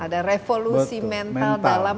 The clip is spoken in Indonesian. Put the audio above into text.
ada revolusi mental dalam